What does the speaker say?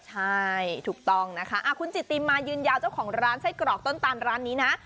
ใช่ถูกต้องนะคะคุณจิติมายืนยาวเจ้าของร้านไส้กรอกต้นตันร้านนี้นะ